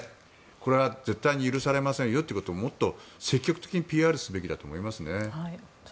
これは絶対に許されませんということをもっと積極的にＰＲすべきだと思いますね。